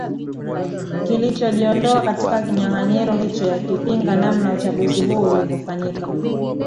nld kilicho jiondoa katika kinyanganyiro hicho yakipinga namna uchaguzi huo ulivyofanyika